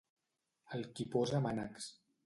El qui posa mànecs.